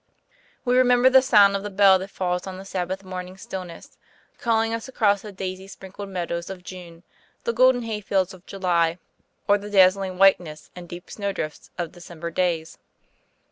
We remember the sound of the bell that falls on the Sabbath morning stillness, calling us across the daisy sprinkled meadows of June, the golden hayfields of July, or the dazzling whiteness and deep snowdrifts of December days.